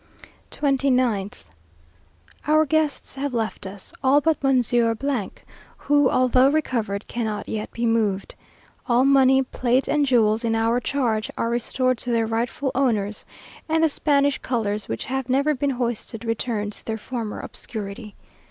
29th. Our guests have left us, all but Monsieur , who, although recovered, cannot yet be moved. All money, plate, and jewels in our charge, are restored to their rightful owners; and the Spanish colours, which have never been hoisted, return to their former obscurity.